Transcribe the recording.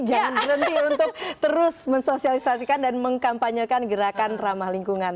jangan berhenti untuk terus mensosialisasikan dan mengkampanyekan gerakan ramah lingkungan